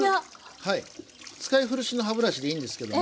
はい使い古しの歯ブラシでいいんですけども。